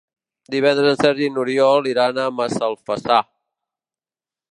Divendres en Sergi i n'Oriol iran a Massalfassar.